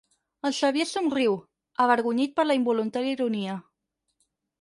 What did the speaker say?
El Xavier somriu, avergonyit per la involuntària ironia.